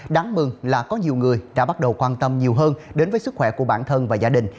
đáng mừng là có nhiều người đã bắt đầu quan tâm nhiều hơn đến với sức khỏe của bản thân và gia đình